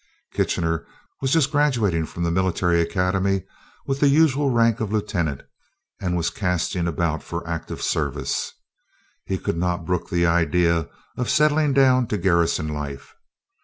Kitchener was just graduating from the Military Academy, with the usual rank of lieutenant, and was casting about for active service. He could not brook the idea of settling down to garrison life.